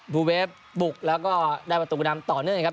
ลูเวฟบุกแล้วก็ได้ประตูนำต่อเนื่องครับ